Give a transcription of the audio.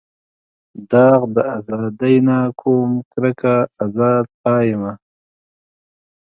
داغ د ازادۍ نه کوم کرکه ازاد پایمه.